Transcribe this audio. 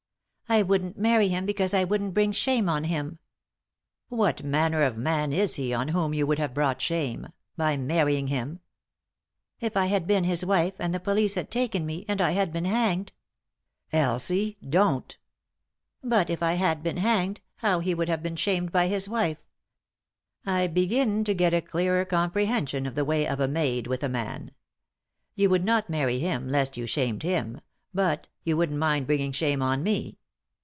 " I wouldn't marry him because I wouldn't bring shame on him." " What manner of man is he on whom you would have brought shame — by marrying him ?" 302 3i 9 iii^d by Google THE INTERRUPTED KISS " If I had been his wife, and the police had taken me, and I had been banged " "Elsie!— don't!" "But if I had been hanged, how he would have been shamed by his wife !"" I begin to get a clearer comprehension of the way of a maid with a man. You would not marry him, lest you shamed him, but — you wouldn't mind bringing shame on me."